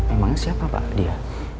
emangnya siapa pak dia